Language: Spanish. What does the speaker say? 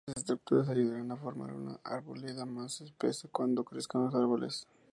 Estas estructuras ayudarán a formar una arboleda más espesa cuando crezcan los árboles.